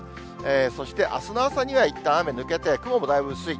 そしてあすの朝にはいったん雨抜けて、雲もだいぶ薄い。